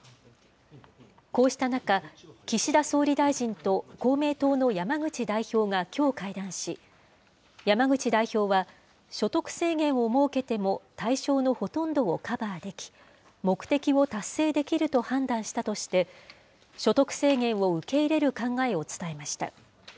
こうした中、岸田総理大臣と公明党の山口代表がきょう会談し、山口代表は、所得制限を設けても、対象のほとんどをカバーでき、目的を達成できると判断したとして、所得制限を受け入れる考えを伝えました。